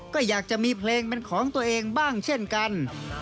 ก็อยากจะมีเพลงเป็นของตัวเองบ้างเช่นกัน